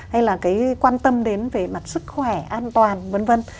hay là cái quan tâm đến về mặt sức khỏe an toàn vân vân